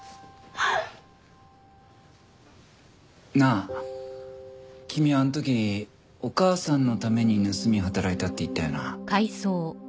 なあ君はあの時お母さんのために盗みを働いたって言ったよな。